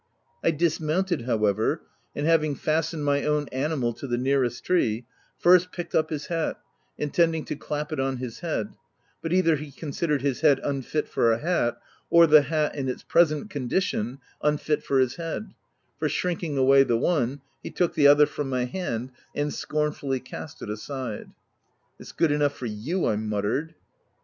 I dismounted however, and having fastened my own animal to the nearest tree, first picked up his hat, intending to clap it on his head ; but either he considered his head unfit for a hat, or the hat, in its present condition, unfit for his head ; for shrinking away the one, he took the other from my hand, and scornfully cast it aside. " It's good enough for you" I muttered.